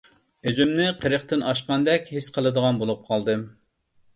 ئۆزۈمنى قىرىقتىن ئاشقاندەك ھېس قىلىدىغان بولۇپ قالدىم.